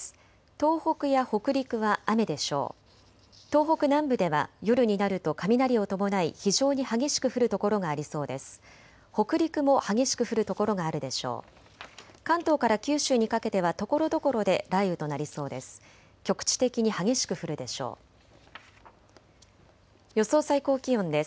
東北南部では夜になると雷を伴い非常に激しく降る所がありそうです。